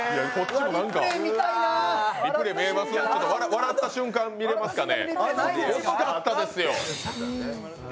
笑った瞬間見れますかね。